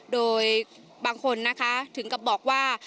โดยบางคนนะคะถึงกับบอกว่า